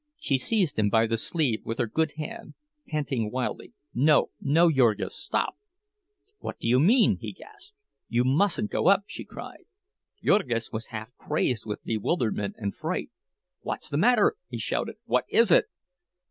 She seized him by the sleeve with her good hand, panting wildly, "No, no, Jurgis! Stop!" "What do you mean?" he gasped. "You mustn't go up," she cried. Jurgis was half crazed with bewilderment and fright. "What's the matter?" he shouted. "What is it?"